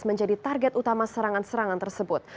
menjadi target utama serangan serangan tersebut